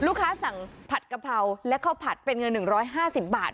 ลูกค้าสั่งผัดกะเพราแล้วเขาผัดเป็นเงิน๑๕๐บาท